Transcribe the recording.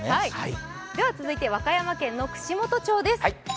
続いて、和歌山県の串本町です。